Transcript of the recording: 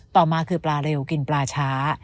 ต่อมาคือปลาเร็วกินปลาช้า